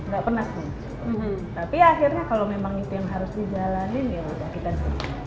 gak pernah tapi akhirnya kalo memang itu yang harus dijalani ya udah kita diingat